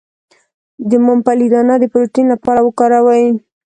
د ممپلی دانه د پروتین لپاره وکاروئ